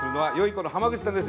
この濱口さんです。